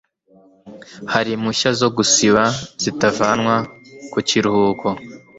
hari impushya zo gusiba zitavanwa ku kiruhuko